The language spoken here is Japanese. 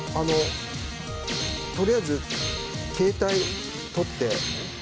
とりあえず、携帯取って。